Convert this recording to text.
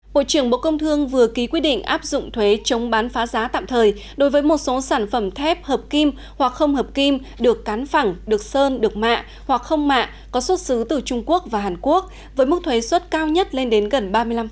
bộ trưởng bộ công thương vừa ký quyết định áp dụng thuế chống bán phá giá tạm thời đối với một số sản phẩm thép hợp kim hoặc không hợp kim được cắn phẳng được sơn được mạ hoặc không mạ có xuất xứ từ trung quốc và hàn quốc với mức thuế xuất cao nhất lên đến gần ba mươi năm